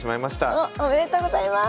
おっおめでとうございます。